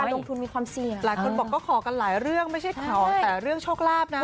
ลงทุนมีความเสี่ยงหลายคนบอกก็ขอกันหลายเรื่องไม่ใช่ขอแต่เรื่องโชคลาภนะ